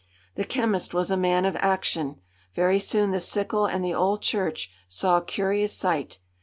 The chemist was a man of action. Very soon the sickle and the old church saw a curious sight.